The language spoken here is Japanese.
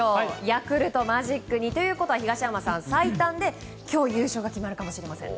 ヤクルトがマジック２ということは最短で今日優勝が決まるかもしれません。